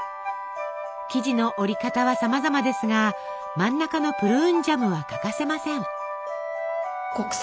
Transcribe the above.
生地の折り方はさまざまですが真ん中のプルーンジャムは欠かせません。